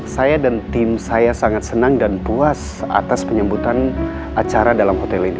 saya dan tim saya sangat senang dan puas atas penyambutan acara dalam hotel ini